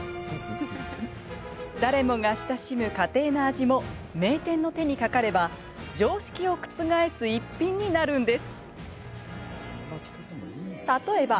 誰もが親しむ家庭の味も名店の手にかかれば常識を覆す逸品になるんです。